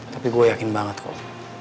tapi gue yakin banget kok